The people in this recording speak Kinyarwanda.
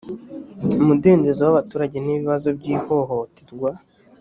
umudendezo w abaturage n ibibazo by ihohoterwa